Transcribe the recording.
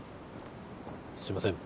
すいません。